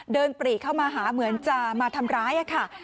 ปรีเข้ามาหาเหมือนจะมาทำร้ายค่ะ